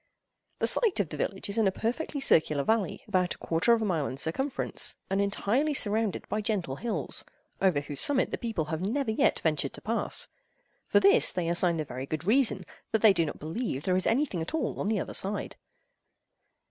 The site of the village is in a perfectly circular valley, about a quarter of a mile in circumference, and entirely surrounded by gentle hills, over whose summit the people have never yet ventured to pass. For this they assign the very good reason that they do not believe there is anything at all on the other side.